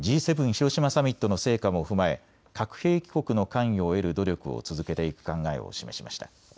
広島サミットの成果も踏まえ核兵器国の関与を得る努力を続けていく考えを示しました。